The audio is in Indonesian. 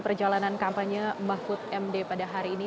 perjalanan kampanye mahfud m d pada hari ini